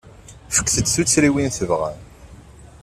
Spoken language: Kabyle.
Fket-d tuttriwin tebɣam.